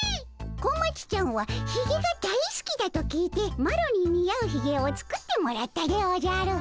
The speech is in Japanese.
小町ちゃんはひげが大すきだと聞いてマロに似合うひげを作ってもらったでおじゃる。